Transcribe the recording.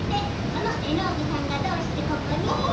そのエノーグさんがどうしてここに？